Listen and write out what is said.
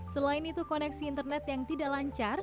selain itu koneksi internet yang tidak lancar